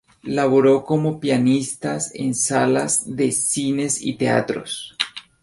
Laboró como pianistas en salas de cines y teatros.